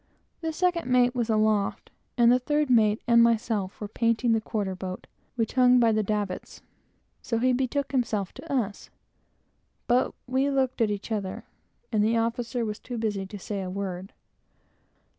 The second mate was aloft, and the third mate and myself were painting the quarter boat, which hung by the davits, so he betook himself to us; but we looked at one another, and the officer was too busy to say a word.